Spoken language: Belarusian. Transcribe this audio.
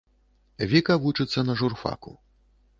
Віка вучыцца на журфаку.